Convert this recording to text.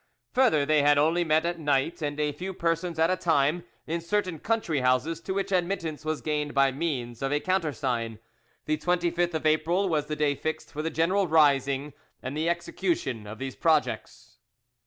Further, they had only met at night and a few persons at a time, in certain country houses, to which admittance was gained by means of a countersign; the 25th of April was the day fixed for the general rising and the execution of these projects."